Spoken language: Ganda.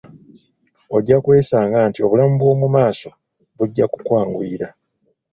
Ojja kwesanga nti obulamu bw'omu maaso bujja kukwanguyira.